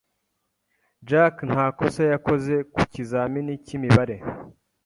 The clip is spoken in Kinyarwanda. Jack nta kosa yakoze ku kizamini cy'imibare.